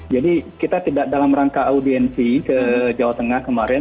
jadi kita tidak dalam rangka audiensi ke jawa tengah kemarin